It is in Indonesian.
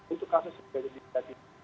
untuk kasus sudah didesakini